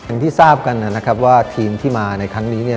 อย่างที่ทราบกันนะครับว่าทีมที่มาในครั้งนี้เนี่ย